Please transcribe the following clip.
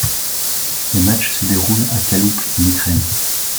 Les matchs se déroulent à Kalouch en Ukraine.